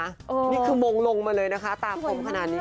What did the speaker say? นี่คือมงลงมาเลยนะคะตาคมขนาดนี้